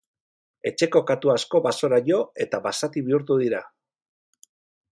Etxeko katu asko basora jo eta basati bihurtu dira.